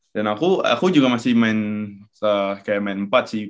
dan aku juga masih main kayak main empat sih